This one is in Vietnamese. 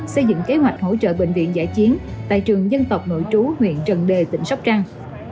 xây dựng kế hoạch hỗ trợ bệnh viện giải chiến tại trường dân tộc nội trú huyện trần đề tỉnh sóc trăng